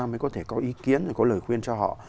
mới có thể có ý kiến rồi có lời khuyên cho họ